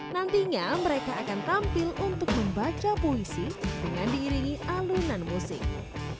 nantinya mereka akan tampil untuk membaca puisi dengan diiringi alunan musik